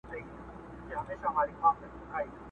o د ځان صفت بې عقل سړى کوي٫